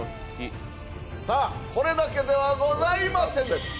これだけではございません。